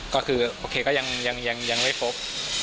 ก็คือโอเคก็ยังไม่พบ